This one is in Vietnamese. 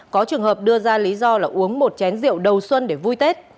có trường hợp đưa ra lý do là uống một chén rượu đầu xuân để vui tết